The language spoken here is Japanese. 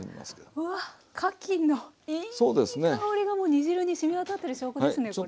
うわっかきのいい香りがもう煮汁にしみわたってる証拠ですねこれ。